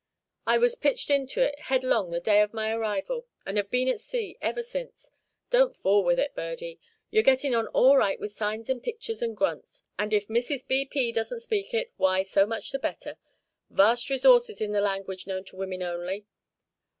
I was pitched into it headlong the day of my arrival, and have been at sea ever since. Don't fool with it, Birdie. You're getting on all right with signs and pictures and grunts, and if Mrs. B. P. doesn't speak it, why, so much the better. Vast resources in the language known to women only.